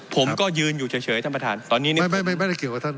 ผมก็ยืนอยู่เฉยท่านประธานตอนนี้เนี่ยไม่ได้เกี่ยวกับท่าน